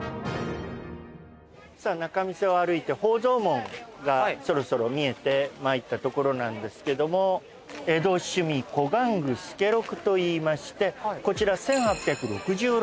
さあ仲見世を歩いて宝蔵門がそろそろ見えてまいったところなんですけども江戸趣味小玩具助六といいましてこちら１８６６年創業。